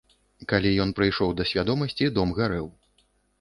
Калі ён прыйшоў да свядомасці, дом гарэў.